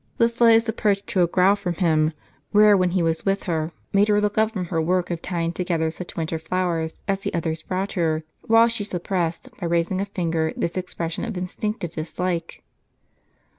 The slightest approach to a growl from him, rare when he was with her, made her look up from her work of tying together such winter flowers as the others brought her, while she sup pressed, by raising a finger, this expression of instinctive dislike.